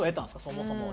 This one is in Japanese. そもそも。